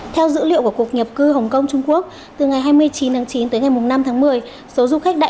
theo dữ liệu của cục nhập cư hồng kông trung quốc từ ngày hai mươi chín tháng chín tới ngày năm tháng một mươi